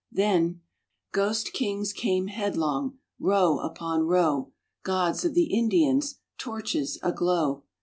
.. Then ... Ghost kings came headlong, row upon row, Gods of the Indians, torches aglow.